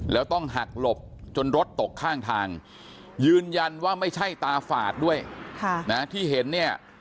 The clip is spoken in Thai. แล้วต้องหักหลบจนรถตกข้างทางยืนยันว่าไม่ใช่ตาฝาดด้วยที่เห็นเนี่ย